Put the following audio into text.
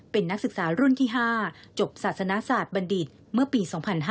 เป็นนักศึกษารุ่นที่๕จบศาสนาศาสตร์บัณฑิตเมื่อปี๒๕๕๙